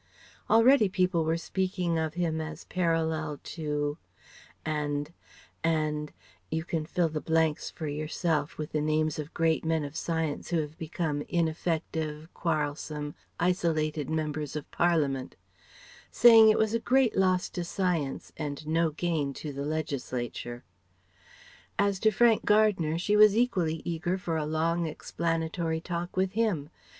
Already people were speaking of him as a parallel to , and , and (you can fill the blanks for yourself with the names of great men of science who have become ineffective, quarrelsome, isolated members of Parliament); saying it was a great loss to Science and no gain to the legislature. As to Frank Gardner, she was equally eager for a long explanatory talk with him.